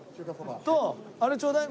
とあれちょうだい。